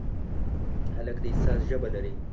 هلک د احساس ژبه لري.